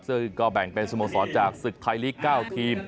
ซึ่งก็แบ่งเป็นสโมสรจากศึกไทยลีก๙ทีม